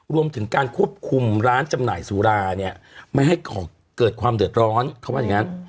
รวมถึงการควบคุมร้านจำหน่ายสุราเนี่ยไม่ให้เกิดความเดือดร้อนเขาว่าอย่างนั้น